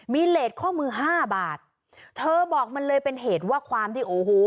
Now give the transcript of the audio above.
มีเลสข้อมือห้าบาทเธอบอกมันเลยเป็นเหตุว่าความที่โอ้โห